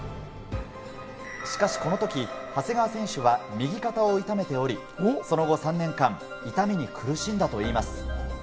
しかしこのとき長谷川選手は右肩を痛めており、その後３年間、痛みに苦しんだといいます。